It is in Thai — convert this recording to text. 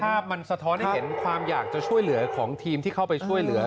ภาพมันสะท้อนให้เห็นความอยากจะช่วยเหลือของทีมที่เข้าไปช่วยเหลือ